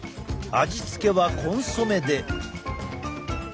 味付けはコンソメで。